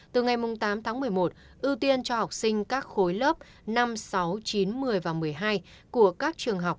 từ ngày tám tháng một mươi một ưu tiên cho học sinh các khối lớp năm sáu chín một mươi và một mươi hai của các trường học